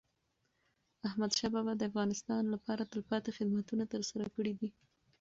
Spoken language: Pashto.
احمدشاه بابا د افغانستان لپاره تلپاتي خدمتونه ترسره کړي دي.